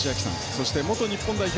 そして元日本代表